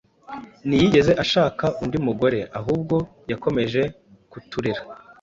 ntiyigeze ashaka undi mugore. Ahubwo yakomeje kuturera,